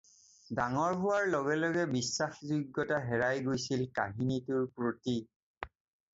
ডাঙৰ হোৱাৰ লগে লগে বিশ্বাসযোগ্যতা হেৰাই গৈছিল কাহিনীটোৰ প্ৰতি।